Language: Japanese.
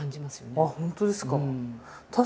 あっ本当ですか。